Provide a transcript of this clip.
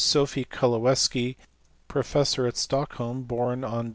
Sophie Koivalevski, pro fessor at Stockholm, born on Dec.